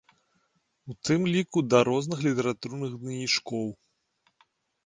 У тым ліку да розных літаратурных гнайнічкоў.